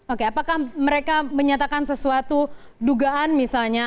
oke apakah mereka menyatakan sesuatu dugaan misalnya